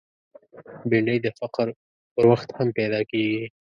بېنډۍ د فقر پر وخت هم پیدا کېږي